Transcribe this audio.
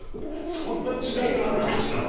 そんな時代からある道なの？